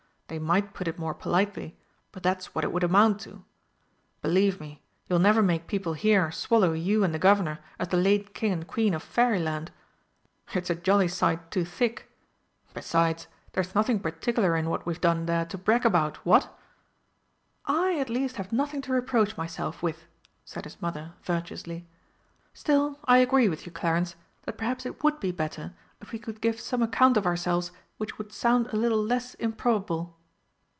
They might put it more politely but that's what it would amount to. Believe me, you'll never make people here swallow you and the governor as the late King and Queen of Fairyland it's a jolly sight too thick! Besides, there's nothing particular in what we've done there to brag about what?" "I at least have nothing to reproach myself with," said his mother virtuously. "Still I agree with you, Clarence, that perhaps it would be better if we could give some account of ourselves which would sound a little less improbable."